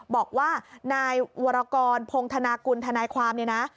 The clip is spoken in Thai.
บอกว่านายวรกรพงธนากุลทนายความเนี่ยนะ